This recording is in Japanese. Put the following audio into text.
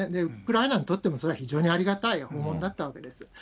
ウクライナにとっても、それは非常にありがたい訪問だったわけです。